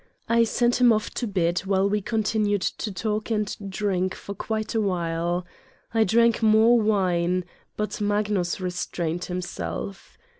I sent him off to bed while we continued to talk and drink for quite a while. I drank more wine, but Magnus restrained himself.